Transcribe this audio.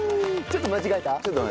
ちょっと間違えた。